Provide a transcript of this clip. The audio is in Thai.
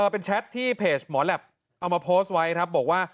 เป็นแชทที่เพจหมอแหลปเอามาโพสต์ไว้ครับบอกว่า